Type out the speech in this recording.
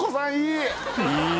いい！